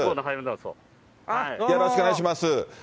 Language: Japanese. よろしくお願いします。